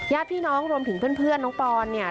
ญาติพี่น้องรวมถึงเพื่อนน้องปอนเนี่ย